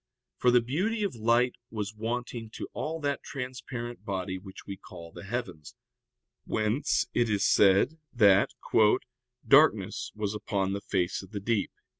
For the beauty of light was wanting to all that transparent body which we call the heavens, whence it is said that "darkness was upon the fact of the deep."